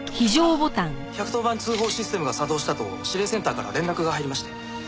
１１０番通報システムが作動したと指令センターから連絡が入りまして。